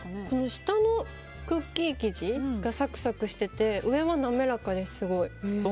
下のクッキー生地がサクサクしてて上は滑らかで、すごい。